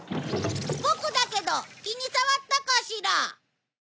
ボクだけど気に障ったかしら？